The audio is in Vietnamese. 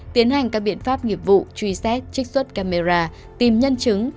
tiến hành các biện pháp nghiệp vụ truy xét trích xuất camera tìm nhân chứng